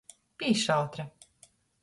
Pīšautre.